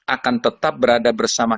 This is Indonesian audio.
akan tetap berada bersama